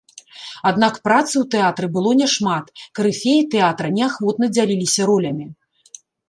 Аднак працы ў тэатры было няшмат, карыфеі тэатра неахвотна дзяліліся ролямі.